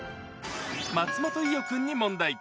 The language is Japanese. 松本伊代君に問題。